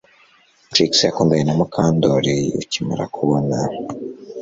Trix yakundanye na Mukandoli ukimara kubona